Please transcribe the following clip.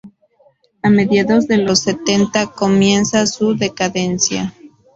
A mediados de los setenta comienza su decadencia.